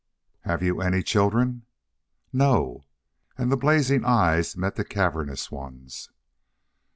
"Have you any children?" "No." And the blazing eyes met the cavernous ones.